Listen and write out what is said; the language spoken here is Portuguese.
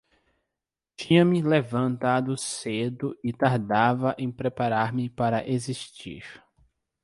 Tinha-me levantado cedo e tardava em preparar-me para existir.